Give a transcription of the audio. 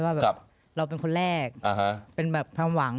ว่าแบบเราเป็นคนแรกเป็นแบบความหวัง